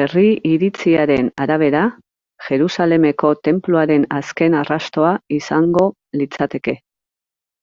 Herri iritziaren arabera, Jerusalemeko Tenpluaren azken arrastoa izango litzateke.